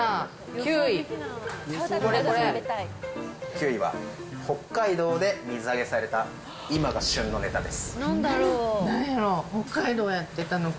９位は、北海道で水揚げされた今が旬のネタです。